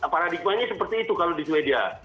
paradigmanya seperti itu kalau di sweden